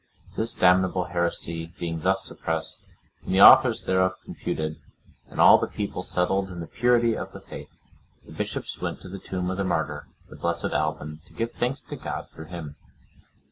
This damnable heresy being thus suppressed, and the authors thereof confuted, and all the people settled in the purity of the faith, the bishops went to the tomb of the martyr, the blessed Alban, to give thanks to God through him.